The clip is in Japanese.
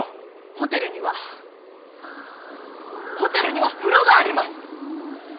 ホテルにはホテルには風呂があります！